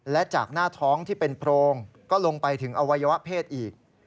และจากหน้าท้องที่เป็นโพรงก็ลงไปถึงอวัยวะเพศอีก